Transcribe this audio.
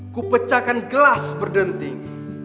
ku pecahkan gelas berdenting